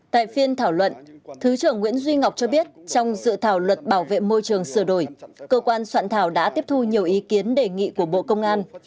tại phiên thảo luận thứ trưởng nguyễn duy ngọc cho biết trong dự thảo luật bảo vệ môi trường sửa đổi cơ quan soạn thảo đã tiếp thu nhiều ý kiến đề nghị của bộ công an